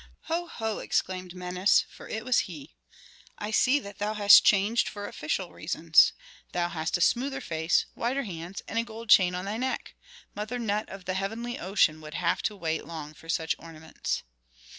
"Ho! ho!" exclaimed Menes, for it was he; "I see that thou hast changed for official reasons. Thou hast a smoother face, whiter hands, and a gold chain on thy neck. Mother Nut of the heavenly ocean would have to wait long for such ornaments."